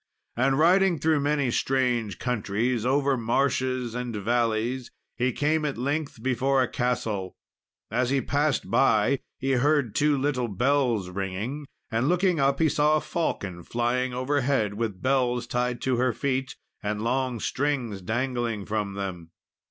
And riding through many strange countries, over marshes and valleys, he came at length before a castle. As he passed by he heard two little bells ringing, and looking up, he saw a falcon flying overhead, with bells tied to her feet, and long strings dangling from them.